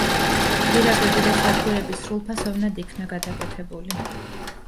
გვირაბები და სადგურები სრულფასოვნად იქნა გადაკეთებული.